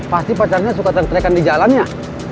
pasti pacarnya suka terikan di jalan ya